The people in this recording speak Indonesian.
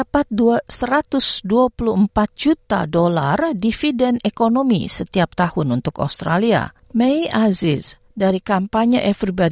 kita sebenarnya membangun sejumlah rumah di australia selama sepuluh tahun